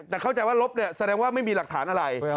แต่เข้าใจว่าลบเนี่ยแสดงว่าไม่มีหลักฐานอะไร